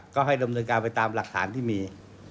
ก็ให้ดำเนินการไปตามหลักฐานที่มี